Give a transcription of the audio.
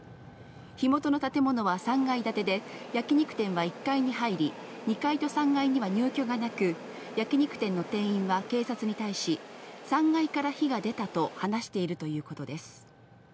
火元の建物は３階建てで、焼き肉店は１階に入り、２階と３階には入居がなく、焼き肉店の店員は警察に対し、３階から火が出たと話しているということです。